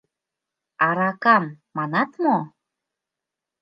— Аракам манат мо?